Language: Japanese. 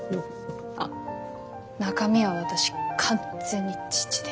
あっ中身は私完全に父で。